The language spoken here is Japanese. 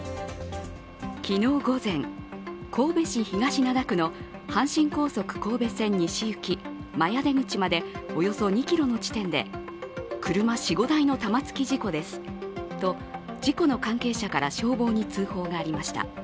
昨日午前、神戸市東灘区の阪神高速神戸線西行き麻耶出口までおよそ２ｋｍの地点で車４５台の玉突き事故ですと事故の関係者から消防に通報がありました。